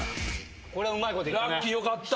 これはうまいこといったね。